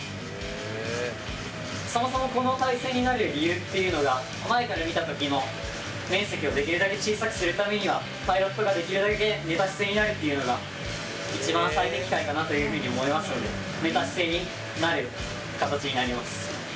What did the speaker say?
そもそもこの姿勢になる理由っていうのが前から見た時の面積をできるだけ小さくするためにはパイロットができるだけ目立ちすぎないっていうのが一番最適解かなというふうに思いますんで寝た姿勢になる形になります。